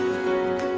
lalu dia nyaman